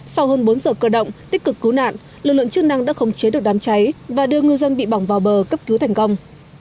sau hơn bốn giờ cơ động tích cực cứu nạn lực lượng chức năng đã khống chế được đám cháy và đưa ngư dân bị bỏng vào bờ cấp cứu thành công